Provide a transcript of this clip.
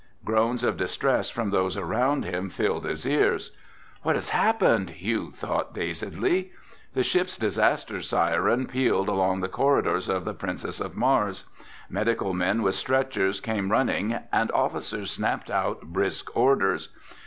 Groans of distress from those around him filled his ears. "What has happened?" Hugh thought dazedly. The ship's disaster siren pealed along the corridors of the Princess of Mars. Medical men with stretchers came running and officers snapped out brisk orders.